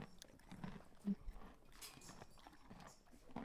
Mwezi Mei, kumi na tano ,elfu moja mia tisa sitini na sita